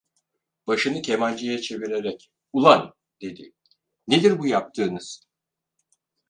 Başını kemancıya çevirerek: "Ulan!" dedi, "Nedir bu yaptığınız?"…